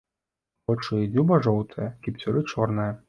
Вочы і дзюба жоўтыя, кіпцюры чорныя.